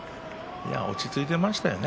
落ち着いていましたね。